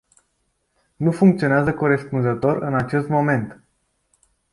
Nu funcționează corespunzător în acest moment.